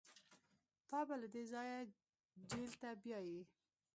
تا به له دې ځايه جېل ته بيايي.